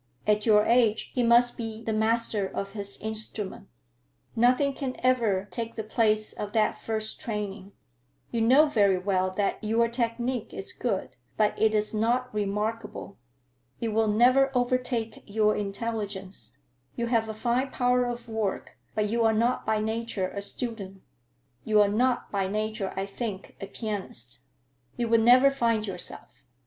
At your age he must be the master of his instrument. Nothing can ever take the place of that first training. You know very well that your technique is good, but it is not remarkable. It will never overtake your intelligence. You have a fine power of work, but you are not by nature a student. You are not by nature, I think, a pianist. You would never find yourself.